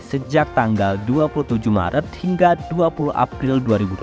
sejak tanggal dua puluh tujuh maret hingga dua puluh april dua ribu dua puluh